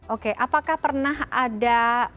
oke apakah pernah ada